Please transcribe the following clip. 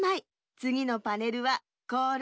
つぎのパネルはこれ！